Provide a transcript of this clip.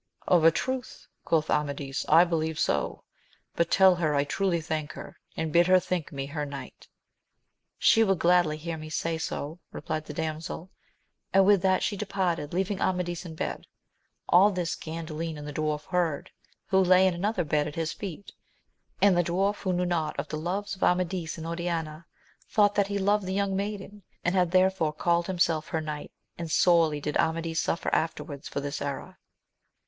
Of a truth, quoth Amadis, I believe so ; but tell her I truly thank her, and bid her think me her knight. She will gladly hear me say so, replied the damsel ; and with that she departed, leaving Amadis in bed. All this Gandalin and the dwarf heard, who lay in another bed at his feet ; and the dwarf, who knew not of the loves of Amadis and Oriana, thought that he loved the young maiden, and had therefore called himself her knight, and sorely did Amadis suffer afterwards for this error.